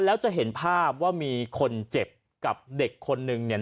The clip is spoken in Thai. แล้วจะเห็นภาพว่ามีคนเจ็บกับเด็กคนนึงเนี่ย